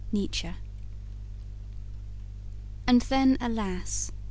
NIETZSCHE And then, alas!